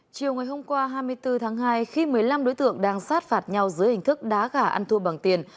chiều ngày hôm qua hai mươi bốn tháng hai khi một mươi năm đối tượng đang sát phạt nhau dưới hình thức đá gà ăn thua bằng tiền